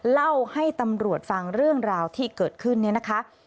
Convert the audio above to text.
เล่าให้ตำรวจฟังเรื่องราวที่เกิดขึ้นเนี่ยนะคะ